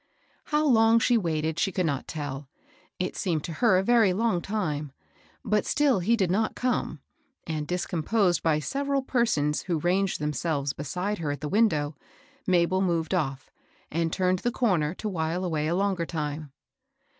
How long she waited she could not tell; it seemed to her a very long time, — but still he did not come; and, discomposed by several persons who ranged themselves beside her at the window, Mabel moved off, and turned the comer to while away a longer time.